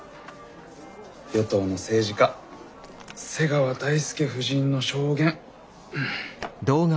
与党の政治家瀬川大介夫人の証言。